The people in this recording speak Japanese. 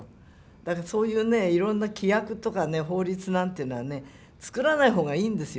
だからそういうねいろんな規約とか法律なんていうのは作らない方がいいんですよ